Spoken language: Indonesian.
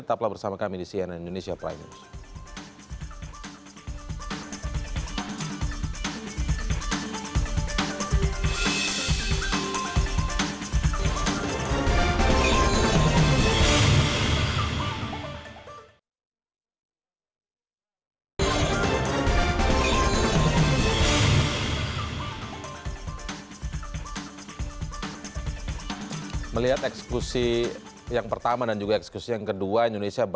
tetaplah bersama kami di cnn indonesia prime news